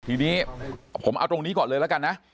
ทีนี้ผมเอาตรงนี้ก่อนเลยแล้วกันนะ